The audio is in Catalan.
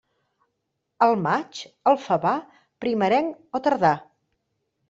Al maig, el favar, primerenc o tardà.